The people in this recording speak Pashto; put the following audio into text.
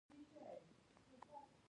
د جوارو بوټی لوړ وي.